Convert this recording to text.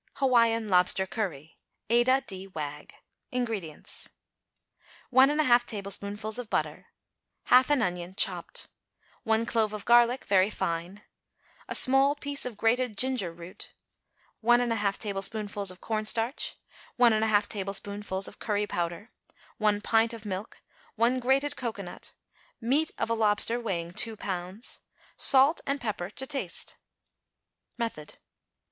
=Hawaiian Lobster Curry.= (ADA D. WAGG.) INGREDIENTS. 1 1/2 tablespoonfuls of butter. 1/2 an onion, chopped 1 clove of garlic, very fine. A small piece of grated ginger root. 1 1/2 tablespoonfuls of cornstarch. 1 1/2 tablespoonfuls of curry powder. 1 pint of milk. 1 grated cocoanut. Meat of a lobster weighing 2 pounds. Salt and pepper to taste. _Method.